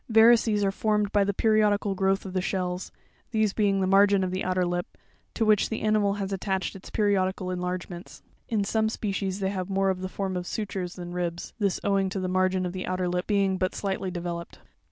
Varices are formed by the periodical growth of the shells, these being the margin of the outer lip, to which the animal has attached its periodical enlargements (fig. 46). In some species they have. more the form of sutures than ribs; this is owing to the margin of the outer lip being but slightly developed.